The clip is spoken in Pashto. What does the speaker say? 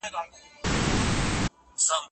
زه مخکي مړۍ خوړلي وه